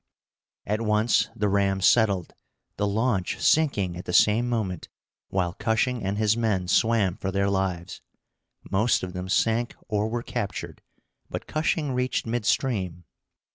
At once the ram settled, the launch sinking at the same moment, while Cushing and his men swam for their lives. Most of them sank or were captured, but Cushing reached mid stream.